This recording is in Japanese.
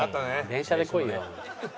電車で来いよ。